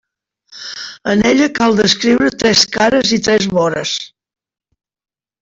En ella cal descriure tres cares i tres vores.